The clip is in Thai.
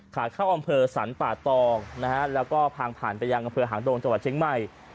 ขาเข้าอำเภอสรรป่าตองนะฮะแล้วก็ทางผ่านไปยังอำเภอหางดงจังหวัดเชียงใหม่